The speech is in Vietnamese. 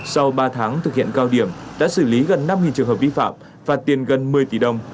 sau ba tháng thực hiện cao điểm đã xử lý gần năm trường hợp vi phạm phạt tiền gần một mươi tỷ đồng